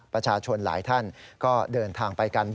ประชาชนหลายท่านก็เดินทางไปกัน